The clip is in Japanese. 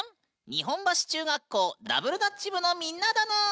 日本橋中学校ダブルダッチ部のみんなだぬん！